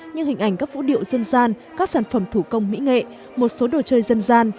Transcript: như hình ảnh các vũ điệu dân gian các sản phẩm thủ công mỹ nghệ một số đồ chơi dân gian